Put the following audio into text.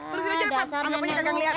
terusin aja mak anggap anggapnya kagak ngeliat